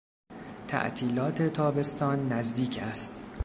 تعطیلات تابستان نزدیک است.